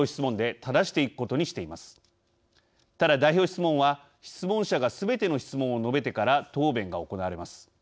ただ、代表質問は質問者がすべての質問を述べてから答弁が行われます。